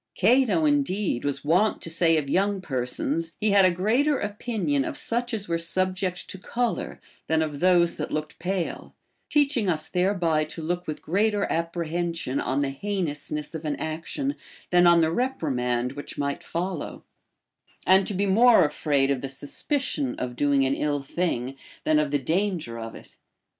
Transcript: Cato indeed was wont to say of young persons, he had a greater opinion of such as were subject to color than of those that looked pale ; teaching us thereby to look with greater apprehension on the heinousness of an action than on the reprimand which might follow, and to be more afraid of the suspicion of doing an ill thing than of the danger of it.